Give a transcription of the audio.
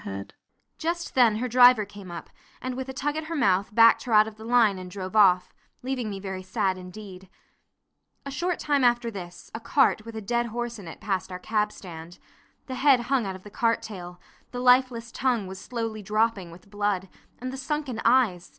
Just then her driver came up, and with a tug at her mouth backed her out of the line and drove off, leaving me very sad indeed. A short time after this a cart with a dead horse in it passed our cab stand. The head hung out of the cart tail, the lifeless tongue was slowly dropping with blood; and the sunken eyes!